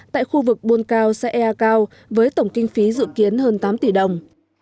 tại khu vực buôn cao xã ea cao với tổng kinh phí dự kiến hơn tám tỷ đồng